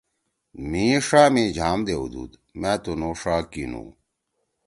مھی ݜا می جھام دیؤدُود۔ مے تُنُو ݜا کینُو۔